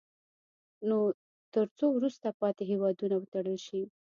تر څو وروسته پاتې هیوادونه وتړل شي.